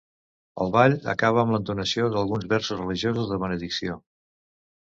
El ball acaba amb l'entonació d'alguns versos religiosos de benedicció.